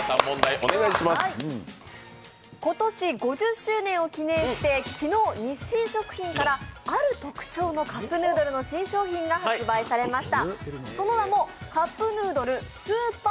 今年５０周年を記念して、昨日、日清食品からある特徴のカップヌードルの新商品が発売されました。